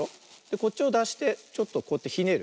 こっちをだしてちょっとこうやってひねる。